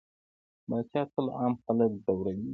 پاچا تل عام خلک ځوروي.